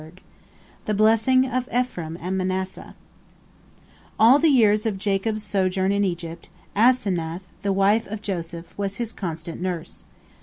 THE BLESSING OF EPHRAIM AND MANASSEH All the years of Jacob's sojourn in Egypt, Asenath, the wife of Joseph, was his constant nurse.